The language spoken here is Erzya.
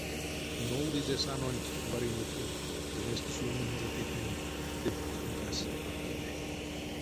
Нолдызе санонть варинетнева, кеместэ сюлминзе петнень — ды ванстомкась аноколь.